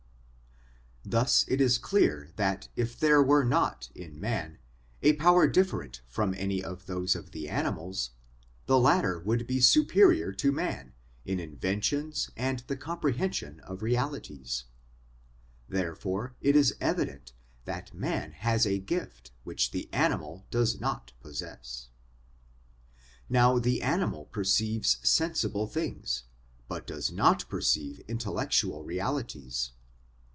Thus it is clear that if there were not in man a power different from any of those of the animals, the latter would be superior to man in inventions and the comprehension of realities. Therefore it is evident that man has a gift which the animal does not possess, 218 SOME ANSWERED QUESTIONS Now, the animal perceives sensible things, but does not perceive intellectual realities.